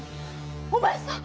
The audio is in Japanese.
お前さん！